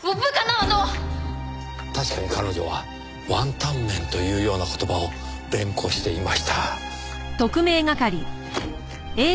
確かに彼女はワンタン麺というような言葉を連呼していました。